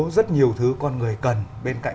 rất nhiều thứ con người cần bên cạnh